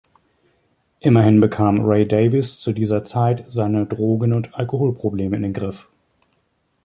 Immerhin bekam Ray Davies zu dieser Zeit seine Drogen- und Alkoholprobleme in den Griff.